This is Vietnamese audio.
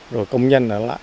rồi công nhân ở lại